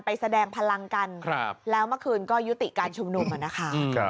แสดงพลังกันแล้วเมื่อคืนก็ยุติการชุมนุมนะคะ